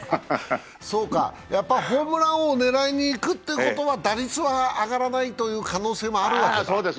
そうか、やっぱりホームラン王を狙いにいくってことは打率は上がらないという可能性あるわけだ。